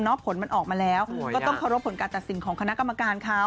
ผลมันออกมาแล้วก็ต้องเคารพผลการตัดสินของคณะกรรมการเขา